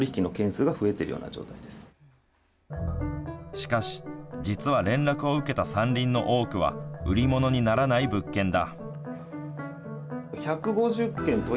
しかし、実は連絡を受けた山林の多くは売り物にならない物件だ。